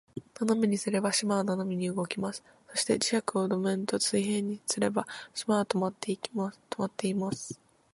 斜めにすれば、島は斜めに動きます。そして、磁石を土面と水平にすれば、島は停まっています。